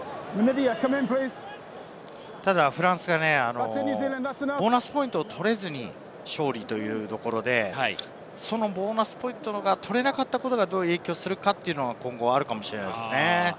ただフランスがボーナスポイントを取れずに勝利ということで、そのボーナスポイントが取れなかったことがどう影響するのか、今後あるかもしれないですね。